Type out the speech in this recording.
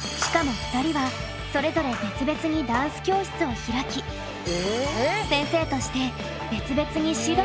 しかも２人はそれぞれ別々にダンス教室を開き先生として別々に指導をしています。